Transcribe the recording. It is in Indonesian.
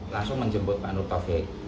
langsung menjemput pak nur taufik